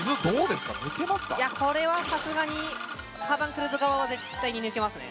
いやこれはさすがにカーバンクルズ側は絶対に抜けますね。